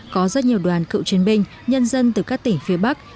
có rất nhiều đoàn cựu chiến binh nhân dân từ các tỉnh phía bắc